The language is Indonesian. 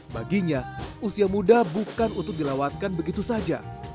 bagi dia usia muda bukan untuk dilawatkan begitu saja